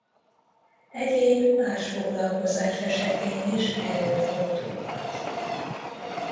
Egyéb más foglalkozás esetén is előfordulhat.